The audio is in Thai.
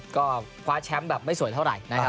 ก็คว้าแชมป์แบบไม่สวยเท่าไหร่นะครับ